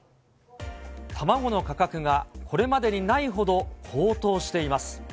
卵の価格が、これまでにないほど高騰しています。